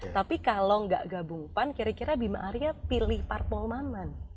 tapi kalau nggak gabung pan kira kira bima arya pilih parpol maman